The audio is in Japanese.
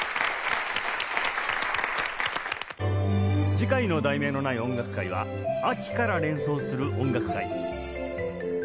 次回の『題名のない音楽会』は「秋から連想する音楽会」